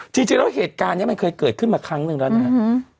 จริงแล้วเหตุการณ์นี้มันเคยเกิดขึ้นมาครั้งหนึ่งแล้วนะครับ